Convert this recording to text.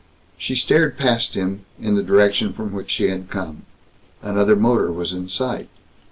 She stared past him, in the direction from which she had come. Another motor was in sight.